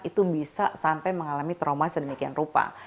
itu bisa sampai mengalami trauma sedemikian rupa